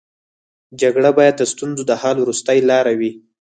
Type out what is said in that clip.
جګړه باید د ستونزو د حل وروستۍ لاره وي